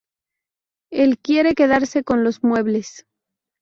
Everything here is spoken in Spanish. Él quiere quedarse con los muebles.